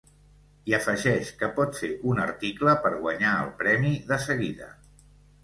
I afegeix que pot fer un article per guanyar el premi de seguida.